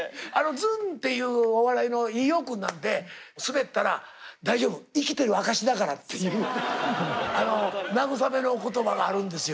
ずんっていうお笑いの飯尾君なんてスベったら「大丈夫生きてる証しだから」っていう慰めの言葉があるんですよ。